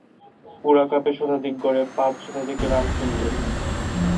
পুরা কাপে শতাধিক গড়ে পাঁচ শতাধিক রান তুলেন।